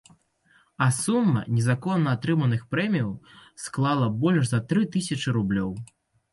А сума незаконна атрыманых прэміяў склала больш за тры тысячы рублёў.